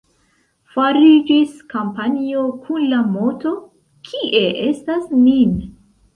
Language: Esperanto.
Fariĝis kampanjo kun la moto: «Kie estas Nin?».